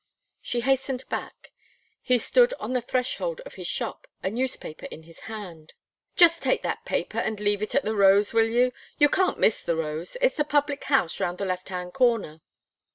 She hastened back; he stood on the threshold of his shop, a newspaper in his hand. "Just take that paper, and leave it at the 'Rose,' will you? You can't miss the 'Rose' it's the public house round the left hand corner."